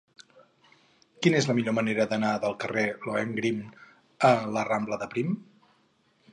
Quina és la millor manera d'anar del carrer de Lohengrin a la rambla de Prim?